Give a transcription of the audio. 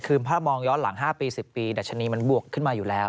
คือถ้ามองย้อนหลัง๕ปี๑๐ปีดัชนีมันบวกขึ้นมาอยู่แล้ว